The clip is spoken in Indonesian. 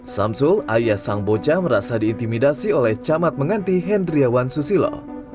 samsul ayah sang bocah merasa diintimidasi oleh camat menganti hendriawan susilo